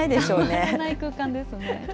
たまらない空間ですね。